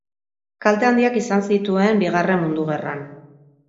Kalte handiak izan zituen Bigarren Mundu Gerran.